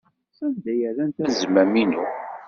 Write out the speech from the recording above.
Sanda ay rrant azmam-inu?